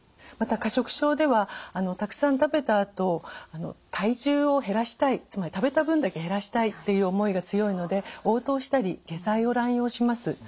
また過食症ではたくさん食べたあと体重を減らしたいつまり食べた分だけ減らしたいっていう思いが強いのでおう吐をしたり下剤を乱用します。